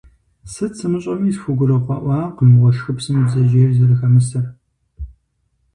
Сыт сымыщӀэми схугурыгъэӀуакъым уэшхыпсым бдзэжьей зэрыхэмысыр.